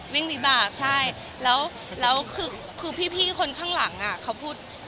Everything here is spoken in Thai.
วิ่งวิบากใช่แล้วคือพี่คนข้างหลังเขาพูด